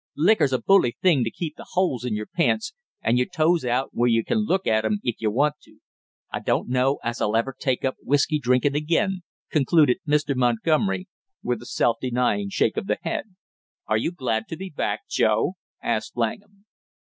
Liquor's a bully thing to keep the holes in your pants, and your toes out where you can look at 'em if you want to. I dunno as I'll ever take up whisky drinkin' again," concluded Mr. Montgomery, with a self denying shake of the head. "Are you glad to be back, Joe?" asked Langham.